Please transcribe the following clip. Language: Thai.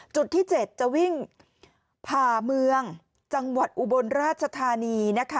จุดที่๗จะวิ่งผ่าเมืองจังหวัดอุบลราชธานีนะคะ